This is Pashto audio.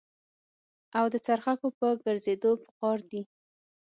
او د څرخکو په ګرځېدو په قار دي.